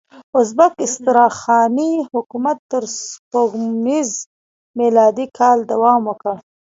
ازبک استرخاني حکومت تر سپوږمیز میلادي کاله دوام وکړ.